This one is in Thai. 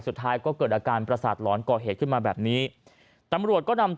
สุดท้ายก็เกิดอาการประสาทหลอนก่อเหตุขึ้นมาแบบนี้ตำรวจก็นำตัว